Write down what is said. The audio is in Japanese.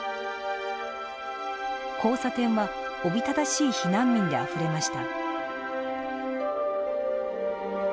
交差点はおびただしい避難民であふれました。